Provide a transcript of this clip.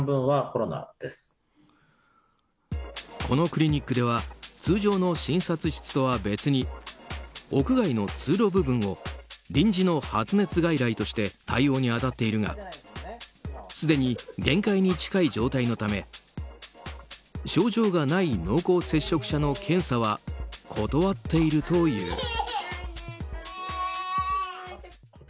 このクリニックでは通常の診察室とは別に屋外の通路部分を臨時の発熱外来として対応に当たっているがすでに限界に近い状態のため症状がない濃厚接触者の検査は断っているという。